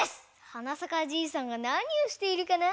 はな咲かじいさんがなにをしているかな？